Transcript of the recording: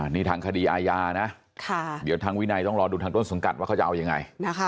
นี่ทางคดีอาญานะเดี๋ยวทางวินัยต้องรอดูทางต้นสังกัดว่าเขาจะเอายังไง